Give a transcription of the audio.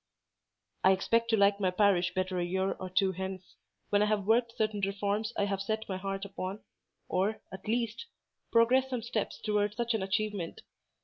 "I expect to like my parish better a year or two hence, when I have worked certain reforms I have set my heart upon—or, at least, progressed some steps towards such an achievement.